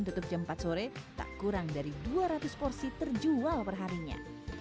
tutup jam empat sore tak kurang dari dua ratus porsi terjual perharinya